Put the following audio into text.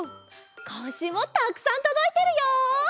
こんしゅうもたくさんとどいてるよ！